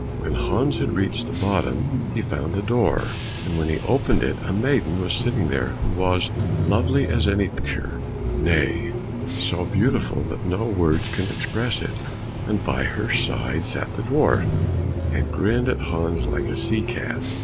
When Hans had reached the bottom, he found a door, and when he opened it a maiden was sitting there who was lovely as any picture, nay, so beautiful that no words can express it, and by her side sat the dwarf and grinned at Hans like a sea cat!